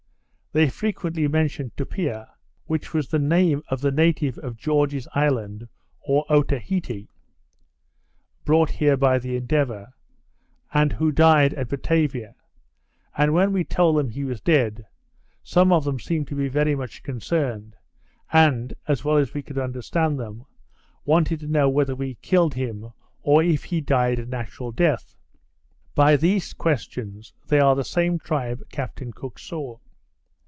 They frequently mentioned Tupia, which was the name of the native of George's Island (or Otaheite), brought here by the Endeavour, and who died at Batavia; and when we told them he was dead, some of them seemed to be very much concerned, and, as well as we could understand them, wanted to know whether we killed him, or if he died a natural death. By these questions, they are the same tribe Captain Cook saw.